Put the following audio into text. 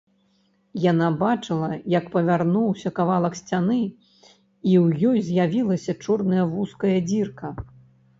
Яна бачыла, як павярнуўся кавалак сцяны і ў ёй з'явілася чорная вузкая дзірка.